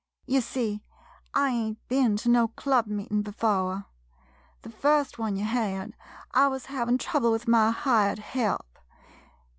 Ye see, I ain't ben to no club meetin' before — the first one ye had, I wuz havin' trouble with my hired help.